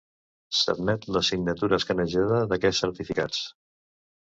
S'admet la signatura escanejada d'aquests certificats.